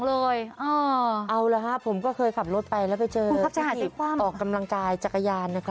เลยเอาละฮะผมก็เคยขับรถไปแล้วไปเจอกันหรือจะหาออกกำลังจ่ายจักรยานนะครับ